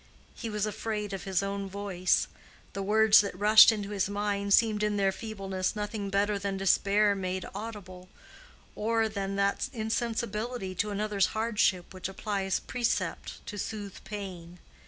He was afraid of his own voice. The words that rushed into his mind seemed in their feebleness nothing better than despair made audible, or than that insensibility to another's hardship which applies precept to soothe pain.